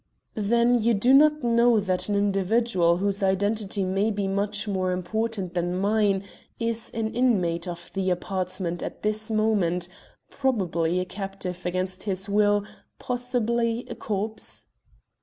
"Then you do not know that an individual whose identity may be much more important than mine is an inmate of the apartment at this moment probably a captive against his will, possibly a corpse?"